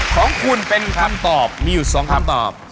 ของคุณเป็นคำตอบมีอยู่๒คำตอบ